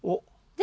で？